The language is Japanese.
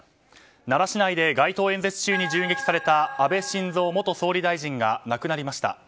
奈良市内で街頭演説中に銃撃された安倍晋三元総理大臣が亡くなりました。